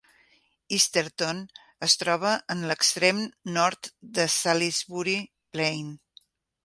Easterton es troba en l'extrem nord de Salisbury Plain.